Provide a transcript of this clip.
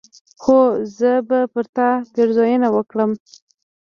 هو! زه به پر تا پيرزوينه وکړم